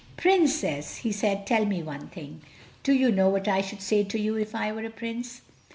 "Princess," he said, "tell me one thing. Do you know what I should say to you if I were a Prince?"